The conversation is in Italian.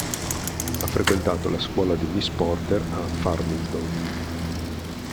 Ha frequentato la scuola di miss Porter a Farmington.